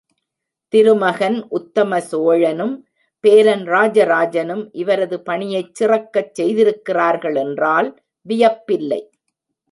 திருமகன் உத்தம சோழனும், பேரன் ராஜராஜனும் இவரது பணியைச் சிறக்கச் செய்திருக்கிறார்கள் என்றால் வியப்பில்லை.